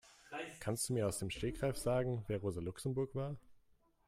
Kannst du mir aus dem Stegreif sagen, wer Rosa Luxemburg war?